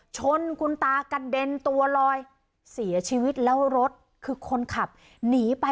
ชนคุณตากระเด็นตัวลอยเสียชีวิตแล้วรถคือคนขับหนีไป